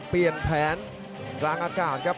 เปลี่ยนแผนกลางอากาศครับ